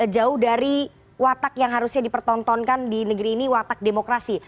jauh dari watak yang harusnya dipertontonkan di negeri ini watak demokrasi